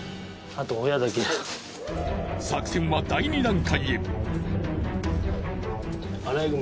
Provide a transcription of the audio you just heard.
作戦は第２段階へ。